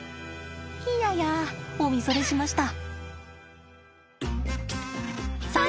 いややお見それしました。